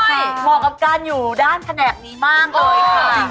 เหมาะกับการอยู่ด้านแผนกนี้มากเลยค่ะ